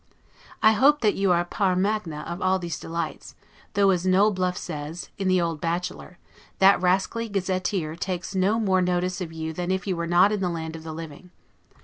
I hope that you are 'pars magna' of all these delights; though, as Noll Bluff says, in the "Old Bachelor," THAT RASCALLY GAZETTEER TAKES NO MORE NOTICE OF YOU THAN IF YOU WERE NOT IN THE LAND OF THE LIVING.